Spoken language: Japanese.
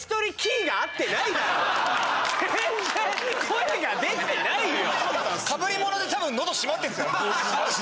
全然声が出てないよ。